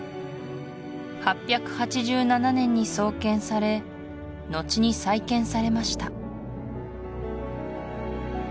８８７年に創建されのちに再建されました